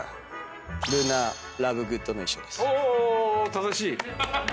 正しい。